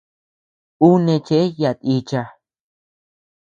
Ú neʼë cheʼe yata ícha.